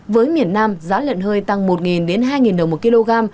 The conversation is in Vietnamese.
với miền nam giá lợn hơi tăng một hai đồng một kg